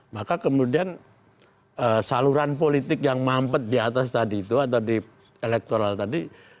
maka kemudian saluran politik yang mampet di atas tadi itu atau di elektoral tadi